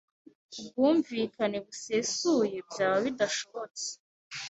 bwumvikane busesuye byaba bidashobotse